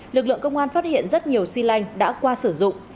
lực lượng công an phát hiện rất nhiều xi lanh đã qua sử dụng